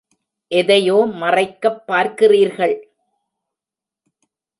எதையோ மறைக்கப் பார்க்கிறீர்கள்?